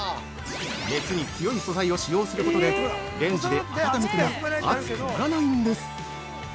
熱に強い素材を使用することでレンジで温めても熱くならないんです。